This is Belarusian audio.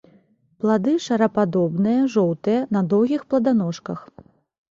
Плады шарападобныя, жоўтыя, на доўгіх пладаножках.